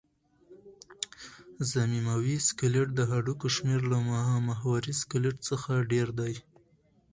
ضمیموي سکلېټ د هډوکو شمېر له محوري سکلېټ څخه ډېر دی.